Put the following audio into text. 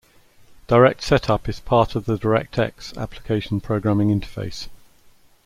DirectSetup is part of the DirectX application programming interface.